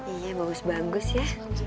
iya bagus bagus ya